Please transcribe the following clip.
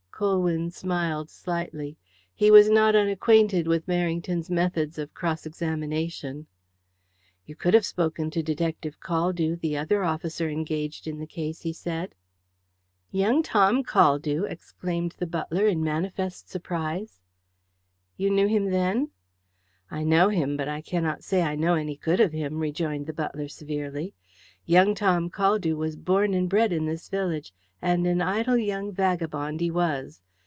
Colwyn smiled slightly. He was not unacquainted with Merrington's methods of cross examination. "You could have spoken to Detective Caldew, the other officer engaged in the case," he said. "Young Tom Caldew!" exclaimed the butler, in manifest surprise. "You know him then?" "I know him, but I cannot say I know any good of him," rejoined the butler severely. "Young Tom Caldew was born and bred in this village, and an idle young vagabond he was.